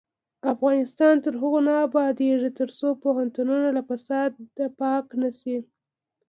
افغانستان تر هغو نه ابادیږي، ترڅو پوهنتونونه له فساده پاک نشي.